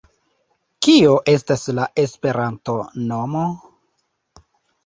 - Kio estas la Esperanto-nomo?